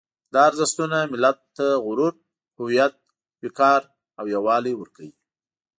دا ارزښتونه ملت ته غرور، هویت، وقار او یووالی ورکوي.